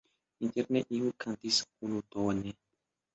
Interne iu kantis unutone.